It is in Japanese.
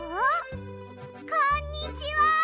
こんにちは！